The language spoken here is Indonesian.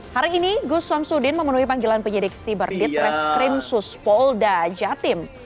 hari ini gus samsudin memenuhi panggilan penyidik siber ditreskrim suspolda jatim